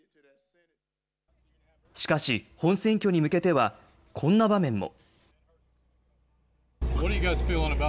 しかし本選挙に向けてはこんな場面も。